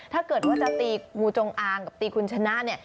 ถ้าเกิดว่าจะตีงูจงอางกับตีคุณชนะเนี่ย